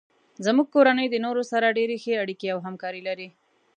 زمونږ کورنۍ د نورو سره ډیرې ښې اړیکې او همکاري لري